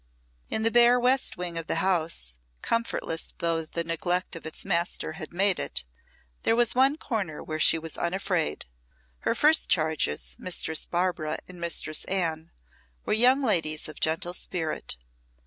In the bare west wing of the house, comfortless though the neglect of its master had made it, there was one corner where she was unafraid. Her first charges, Mistress Barbara and Mistress Anne, were young ladies of gentle spirit.